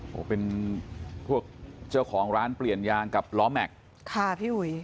โอ้โหเป็นพวกเจ้าของร้านเปลี่ยนยางกับล้อแม็กซ์ค่ะพี่อุ๋ย